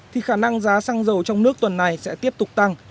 thì khả năng giá xăng dầu trong nước tuần này sẽ tiếp tục tăng